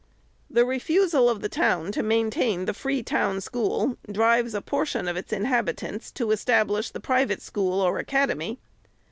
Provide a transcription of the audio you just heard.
The refusal of the town to maintain the free town school drives a portion of its inhabitants to establish the private school or academy.